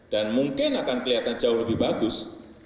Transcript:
dan mungkin akan kelihatan jauh lebih bagus